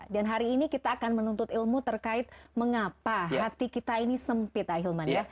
dan hari ini kita akan menuntut ilmu terkait mengapa hati kita ini sempit ahilman